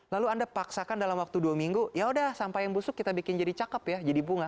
lalu anda paksakan dalam waktu dua minggu yaudah sampah yang busuk kita bikin jadi cakep ya jadi bunga